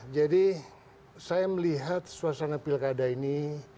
jadi saya melihat suasana pilkada ini